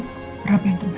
berharap yang terbaik ya